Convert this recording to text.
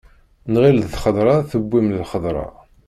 Nɣil d lxeḍra tewwim lxeḍra.